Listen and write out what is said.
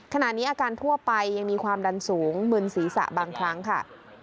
ขณะนี้อาการทั่วไปยังมีความดันสูงมึนศีรษะบางครั้งค่ะ